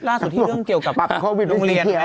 ที่เรื่องเกี่ยวกับปรับโควิดโรงเรียนแล้ว